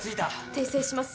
訂正します